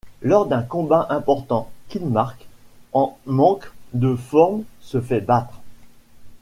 Lors d'un combat important, Kid Marc, en manque de forme se fait battre.